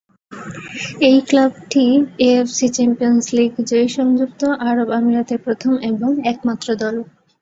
এই ক্লাবটি AFC champions league জয়ী সংযুক্ত আরব আমিরাতের প্রথম এবং একমাত্র দল।